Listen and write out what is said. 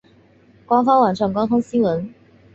官方网站官方新闻